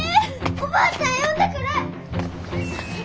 おばあちゃん呼んでくる！